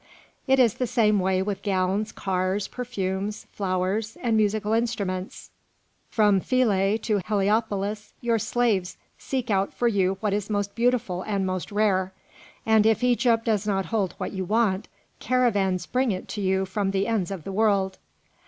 It is the same way with gowns, cars, perfumes, flowers, and musical instruments. From Philæ to Heliopolis your slaves seek out for you what is most beautiful and most rare; and if Egypt does not hold what you want, caravans bring it to you from the ends of the world."